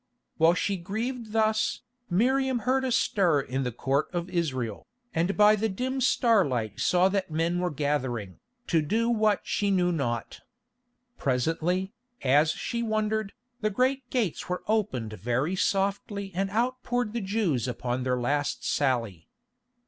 While she grieved thus, Miriam heard a stir in the Court of Israel, and by the dim starlight saw that men were gathering, to do what she knew not. Presently, as she wondered, the great gates were opened very softly and out poured the Jews upon their last sally.